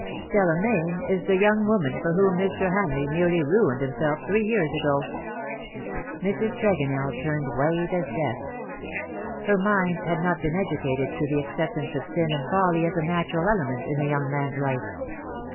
Stella Mayne is the young woman for whom Mr. Hamleigh nearly ruined himself three years ago/'' Mrs. Tregonell turned white as death. Her mind had not been educated to the accept ance of sin and folly as a natural element in a young man^s life.